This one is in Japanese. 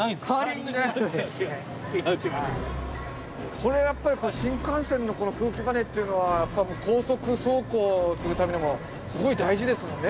これやっぱり新幹線の空気バネっていうのは高速走行するためにもすごい大事ですもんね。